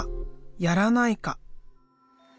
やらないか。